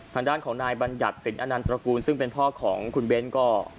ทางด้านของนายบัญญัติสินอนันตระกูลซึ่งเป็นพ่อของคุณเบ้นก็